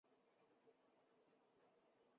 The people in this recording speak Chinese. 汉高祖刘邦封周勃为绛侯于此。